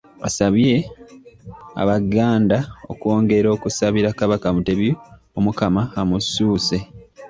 Asabye abaganda okwongera okusabira Kabaka Mutebi Omukama amussuuse